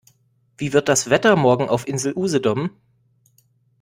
Wie wird das Wetter morgen auf Insel Usedom?